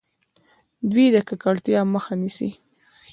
دوی د ککړتیا مخه نیسي.